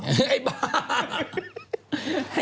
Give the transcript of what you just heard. ไอ้บ้า